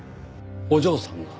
お嬢さんが？